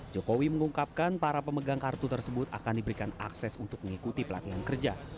jokowi mengungkapkan para pemegang kartu tersebut akan diberikan akses untuk mengikuti pelatihan kerja